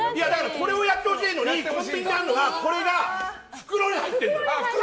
これをやってほしいのにコンビニにあるのがこれが袋に入ってるのよ。